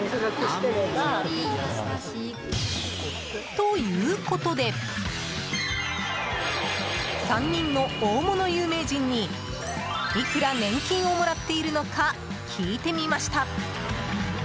ということで３人の大物有名人にいくら年金をもらっているのか聞いてみました。